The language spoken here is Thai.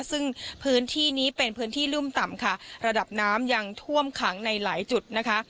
ซึ่งพื้นที่นี้เป็นพื้นที่รุ่มต่ำค่ะระดับน้ำยังท่วมขังในหลายจุดนะคะ